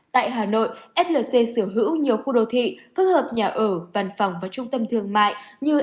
tại hà nội flc sở hữu nhiều khu đô thị kết hợp nhà ở văn phòng và trung tâm thương mại như